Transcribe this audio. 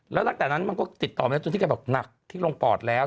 แล้วตั้งแต่นั้นมันก็ติดต่อไม่ได้จนที่แกบอกหนักที่ลงปอดแล้ว